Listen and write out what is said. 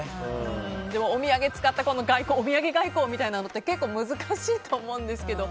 お土産使った外交お土産外交みたいなのって結構、難しいと思うんですけど